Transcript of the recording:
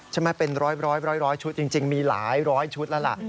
ใช่ไหมเป็นร้อยชุดจริงมีหลายร้อยชุดแล้วล่ะ